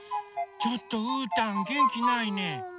ちょっとうーたんげんきないね。